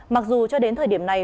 mặc dù cho đến thời điểm này